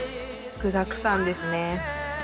具だくさんですね。